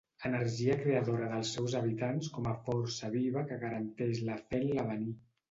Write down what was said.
Energia creadora dels seus habitants com a força viva que garanteix la fe en l'avenir.